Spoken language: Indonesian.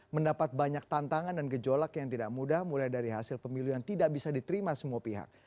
mendapat banyak tantangan dan gejolak yang tidak mudah mulai dari hasil pemilu yang tidak bisa diterima semua pihak